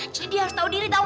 jadi dia harus tau diri tau gak